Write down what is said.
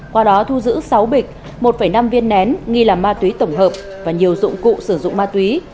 qua đó thu giữ sáu bịch một năm viên nén nghi là ma túy tổng hợp và nhiều dụng cụ sử dụng ma túy